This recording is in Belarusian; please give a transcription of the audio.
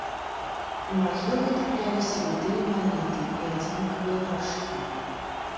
У магілах трапляліся літыя манеты і адзінкавыя гаршкі.